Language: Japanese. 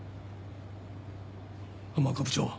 浜岡部長。